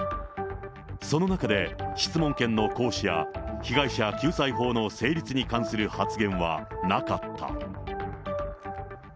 その中で、質問権の行使や、被害者救済法の成立に関する発言はなかった。